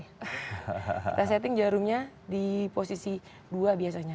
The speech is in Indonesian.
kita setting jarumnya di posisi dua biasanya